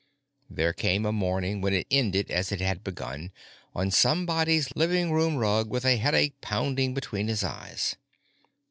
There came a morning when it ended as it had begun: on somebody's living room rug with a headache pounding between his eyes.